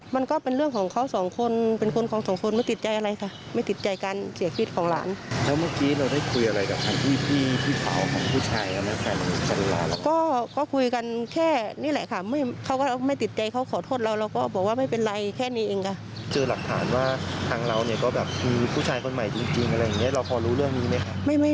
ทางเราก็มีผู้ชายคนใหม่จริงอะไรอย่างนี้เราพอรู้เรื่องนี้ไหมคะ